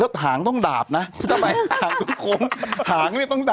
แล้วหางต้องตกดาบนะ